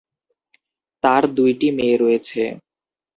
তার দুইটি মেয়ে রয়েছে।